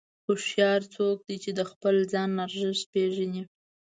هوښیار څوک دی چې د خپل ځان ارزښت پېژني.